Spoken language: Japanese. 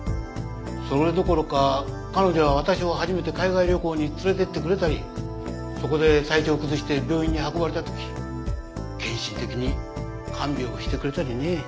それどころか彼女は私を初めて海外旅行に連れてってくれたりそこで体調を崩して病院に運ばれた時献身的に看病してくれたりね。